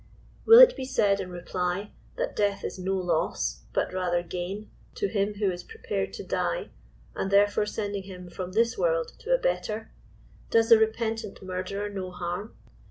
Will it be said in reply, that death is no loss but rather gain to him who is prepared to die, and therefore sending him from this world to a better, does the repentant murderer no harm